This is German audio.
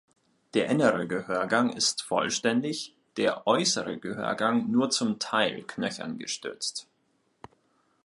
Der innere Gehörgang ist vollständig, der äußere Gehörgang nur zum Teil knöchern gestützt.